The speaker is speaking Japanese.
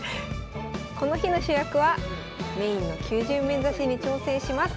この日の主役はメインの９０面指しに挑戦します